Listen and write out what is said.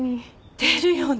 出るよね！